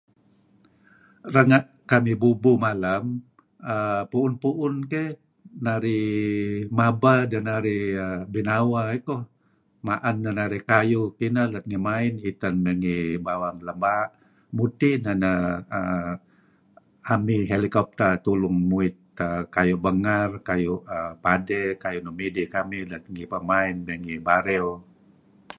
Renga' kamih bubuh malem, err.. pu'un pu'un keyh, narih... mabeh denarih err... binaweh iih ko'. Ma'en neh narih kayuh kineh let ngih Main iten mey ngih bawang Lem Baa. Mudtih neh neh err... armiy helicopter tulung muit err.. kayu' bengar, kayu' padey, kayu' nuk midih kamin ket Pa' Main mey ngih Bario.